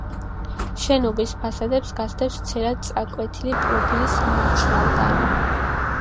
შენობის ფასადებს გასდევს ცერად წაკვეთილი პროფილის ლავგარდანი.